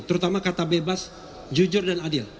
terutama kata bebas jujur dan adil